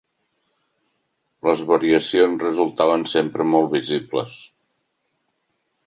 Les variacions resultaven sempre molt visibles.